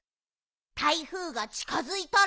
台風がちかづいたら。